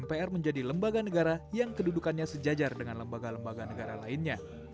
dpr menjadi lembaga negara yang kedudukannya sejajar dengan lembaga lembaga negara lainnya